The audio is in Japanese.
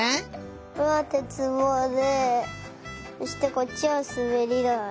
これはてつぼうでそしてこっちはすべりだい。